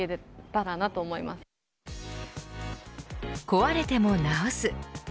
壊れても直す。